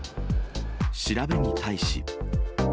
調べに対し。